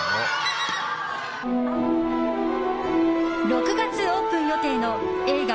６月オープン予定の映画